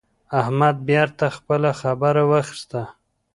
احمد بېرته خپله خبره واخيسته.